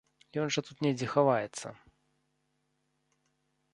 Ён жа тут недзе хаваецца.